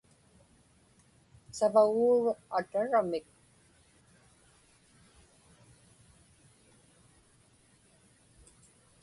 Savaguuruq ataramik.